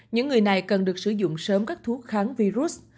những người này cần được sử dụng sớm các thuốc kháng virus